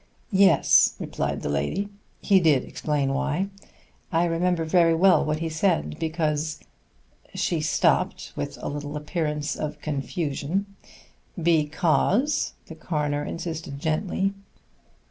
"Yes," replied the lady, "he did explain why. I remember very well what he said, because " she stopped with a little appearance of confusion. "Because " the coroner insisted gently.